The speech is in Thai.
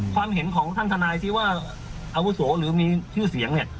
ความเห็นของท่านทนายที่ว่าอาวุโสหรือมีชื่อเสียงเนี่ย